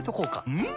うん！